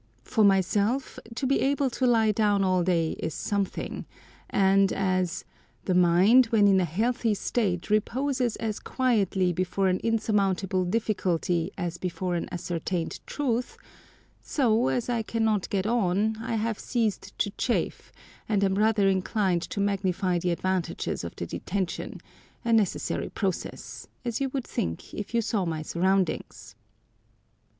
For myself, to be able to lie down all day is something, and as "the mind, when in a healthy state, reposes as quietly before an insurmountable difficulty as before an ascertained truth," so, as I cannot get on, I have ceased to chafe, and am rather inclined to magnify the advantages of the detention, a necessary process, as you would think if you saw my surroundings!